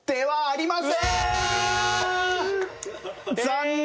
残念！